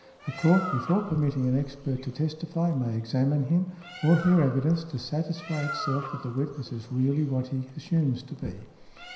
A Court before permitting an expert to testify may examine him, or hear evidence, to satisfy itself that the witness is really what he assumes to be .